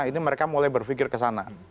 ini mereka mulai berpikir kesana